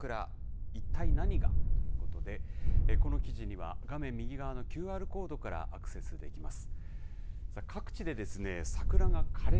一体何がということでこの記事には画面右側のＱＲコードからアクセスできます。